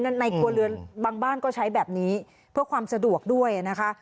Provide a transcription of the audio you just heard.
ในครัวเรือนบางบ้านก็ใช้แบบนี้เพื่อความสะดวกด้วยนะคะ